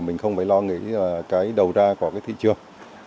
mình không phải lo nghĩ là cái đầu ra của cái thị trường